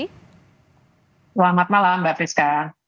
selamat malam mbak priska